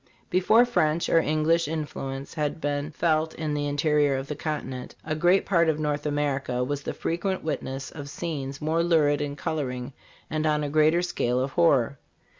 Before French or English influence had been felt in the interior of the continent, a great part of North America was the frequent witness of scenes more lurid in coloring and on a larger scale of horror.